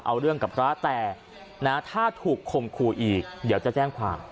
เอาเรื่องกับพระแต่นะถ้าถูกคมคู่อีกเดี๋ยวจะแจ้งความ